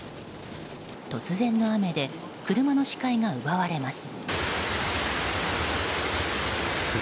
突然の雨で車の視界が奪われます。